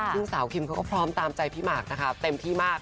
ซึ่งสาวคิมเขาก็พร้อมตามใจพี่หมากนะคะเต็มที่มาก